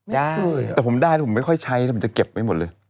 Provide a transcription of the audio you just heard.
ได้ไม่เคยแต่ผมได้ผมไม่ค่อยใช้ผมจะเก็บไว้หมดเลย